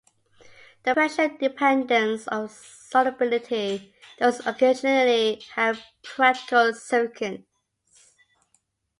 The pressure dependence of solubility does occasionally have practical significance.